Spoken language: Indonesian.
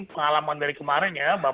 pengalaman dari kemarin ya